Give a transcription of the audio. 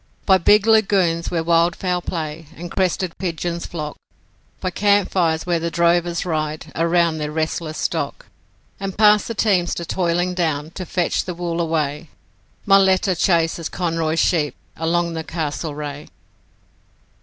By big lagoons where wildfowl play and crested pigeons flock, By camp fires where the drovers ride around their restless stock, And past the teamster toiling down to fetch the wool away My letter chases Conroy's sheep along the Castlereagh.